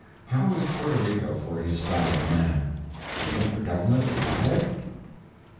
How is Porto Rico for his style of man? Do you think the government will buy it?